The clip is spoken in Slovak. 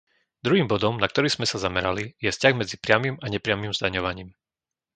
Druhým bodom, na ktorý sme sa zamerali, je vzťah medzi priamym a nepriamym zdaňovaním.